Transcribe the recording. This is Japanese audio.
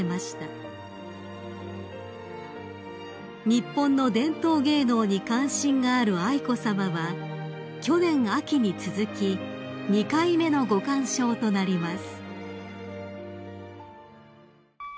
［日本の伝統芸能に関心がある愛子さまは去年秋に続き２回目のご鑑賞となります］